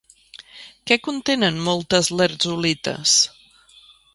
Què contenen moltes lherzolites?